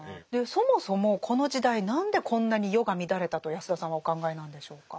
そもそもこの時代何でこんなに世が乱れたと安田さんはお考えなんでしょうか？